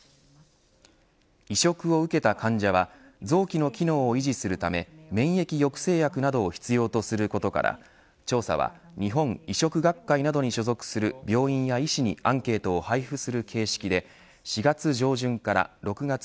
移植を受けた患者は臓器の機能を維持するため免疫抑制薬などを必要とすることから調査は、日本移植学会などに所属する病院や医火曜日のお天気をお伝えします。